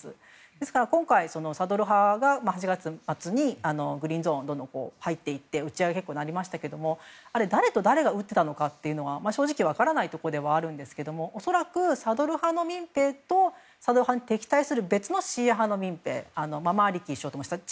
ですから、今回サドル派が８月末にグリーンゾーンにどんどん入って撃ち合いになりましたがあれ、誰と誰が撃っていたのかというのが正直分からないところではあるんですが恐らく、サドル派の民兵とサドル派に敵対する別のシーア派の民兵